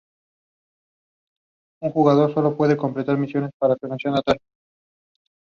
Los objetos se pueden representar mediante sus formas y apariencias.